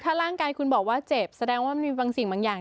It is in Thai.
ถ้าร่างกายคุณบอกว่าเจ็บแสดงว่ามันมีบางสิ่งบางอย่าง